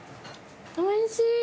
おいしい。